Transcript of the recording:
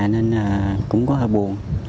nên cũng có hơi buồn